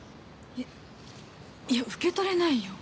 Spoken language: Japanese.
えっいや受け取れないよ。